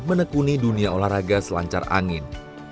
menekuni dunia olahraga selancar angin